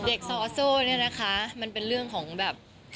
เอกซ่อโซ่เอกซ่อโซ่เนี่ยนะคะมันเป็นเรื่องของแบบ